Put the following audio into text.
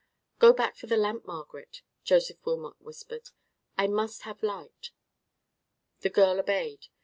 "Go back for the lamp, Margaret," Joseph Wilmot whispered. "I must have light." The girl obeyed.